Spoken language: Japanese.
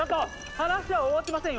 話は終わってませんよ！